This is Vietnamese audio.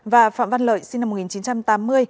và phạm văn lợi sinh năm một nghìn chín trăm tám mươi